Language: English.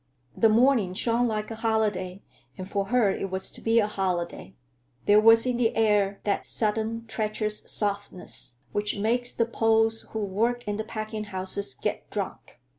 The morning shone like a holiday, and for her it was to be a holiday. There was in the air that sudden, treacherous softness which makes the Poles who work in the packing houses get drunk.